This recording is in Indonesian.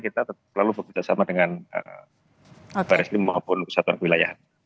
kita terlalu berpengalaman dengan barskrim maupun kesatuan kewilayahan